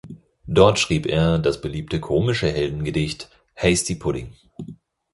Dort schrieb er das beliebte komische Heldengedicht "Hasty Pudding".